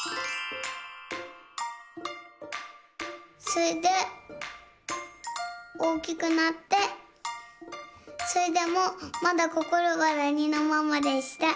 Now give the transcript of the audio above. それでおおきくなってそれでもまだこころがとりのままでした。